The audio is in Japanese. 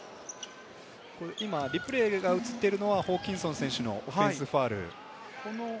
リプレイが映っているのはホーキンソン選手のオフェンスファウル。